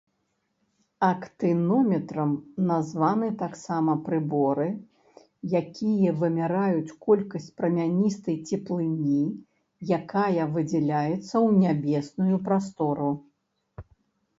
Актынометрам названы таксама прыборы, якія вымяраюць колькасць прамяністай цеплыні, якая выдзяляецца ў нябесную прастору.